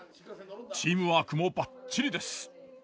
チームワークもバッチリです。